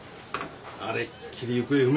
あれっきり行方不明。